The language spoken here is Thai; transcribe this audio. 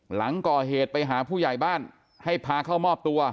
หลังก่อเหตุไปหาผู้ใหญ่บ้านให้พาเข้ามอบตัว